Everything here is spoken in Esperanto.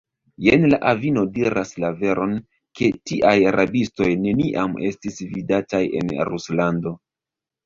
Jen la avino diras la veron, ke tiaj rabistoj neniam estis vidataj en Ruslando.